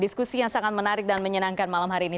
diskusi yang sangat menarik dan menyenangkan malam hari ini